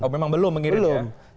oh memang belum mengirimnya